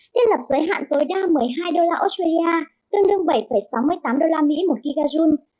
tiết lập giới hạn tối đa một mươi hai đô la australia tương đương bảy sáu mươi tám đô la mỹ một gigajoule